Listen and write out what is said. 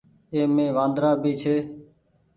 اي مي وآندرآ ڀي ڇي۔